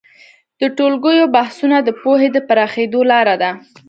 د ټولګیو بحثونه د پوهې د پراخېدو لاره ده.